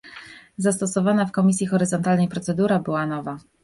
Zastosowana w komisji horyzontalnej procedura była nowa